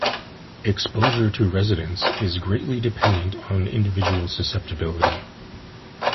Exposure to residents is greatly dependent on individual susceptibility.